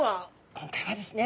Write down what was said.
今回はですね